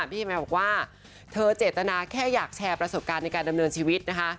พี่แมวบอกว่าเธอเจตนาแค่อยากแชร์ประสบการณ์ในการดำเนินชีวิตนะคะ